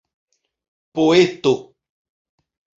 poeto